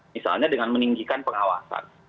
misalnya dengan meninggikan pengawasan